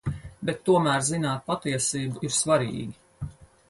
Bet tomēr zināt patiesību ir svarīgi.